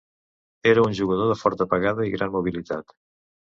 Era un jugador de forta pegada i gran mobilitat.